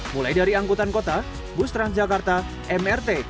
mulai dari angkutan kota bus transjakarta mrt